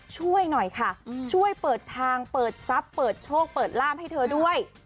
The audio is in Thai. ช่วยหน่อยค่ะช่วยเปิดทางเปิดทรัพย์เปิดโชคเปิดล่ามให้เธอด้วย